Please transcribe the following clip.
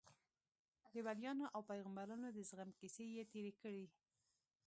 د وليانو او پيغمبرانو د زغم کيسې يې تېرې کړې.